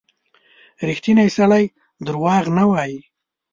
• ریښتینی سړی دروغ نه وايي.